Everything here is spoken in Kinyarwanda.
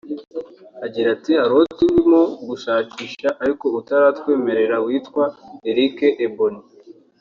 Agira ati “Hari uwo turimo gushakisha ariko utaratwemerera witwa Eriq Ebouaney